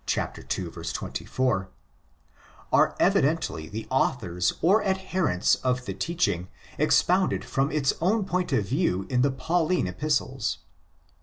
24)—are evidently the authors or adherents of the teaching expounded from its own point of view in the Pauline Epistles.